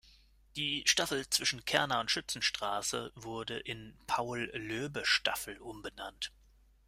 Die Staffel zwischen Kerner- und Schützenstraße wurde in "Paul-Löbe-Staffel" umbenannt.